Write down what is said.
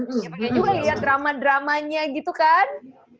ya pengen juga lihat drama dramanya gitu kan